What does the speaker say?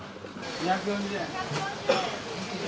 ２４０円。